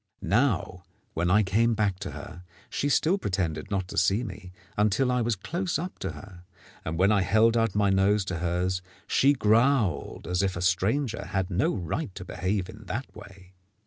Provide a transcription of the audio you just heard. Now, when I came back to her, she still pretended not to see me until I was close up to her, and when I held out my nose to hers she growled as if a stranger had no right to behave in that way.